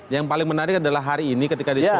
yang paling menarik adalah hari ini ketika di solo